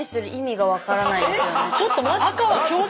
ちょっと待って。